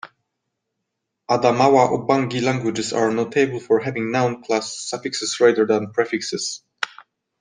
Adamawa-Ubangi languages are notable for having noun class suffixes rather than prefixes.